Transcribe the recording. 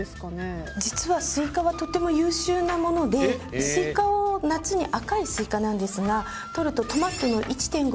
実はスイカはとても優秀なものでスイカを夏に赤いスイカなんですが取ると。